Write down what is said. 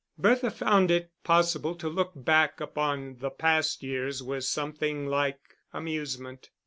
Bertha found it possible to look back upon the past years with something like amusement.